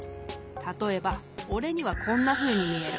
たとえばおれにはこんなふうにみえる。